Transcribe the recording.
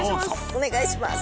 お願いします